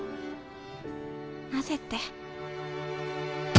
なぜって。